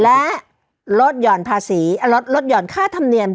และลดหย่อนภาษีลดหย่อนค่าธรรมเนียม